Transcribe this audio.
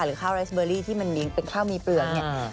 หรือข้าวเรสเบอรี่ที่มันเป็นข้าวมีเปลืองเนี่ย